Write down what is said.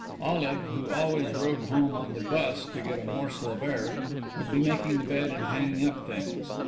Olive, who always rode home on the bus to "get a morsel of air," would be making the bed and hanging up things.